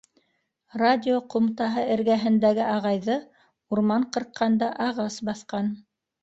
Радио ҡумтаһы эргәһендәге ағайҙы урман ҡырҡҡанда ағас баҫҡан.